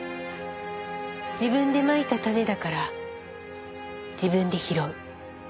自分でまいた種だから自分で拾う。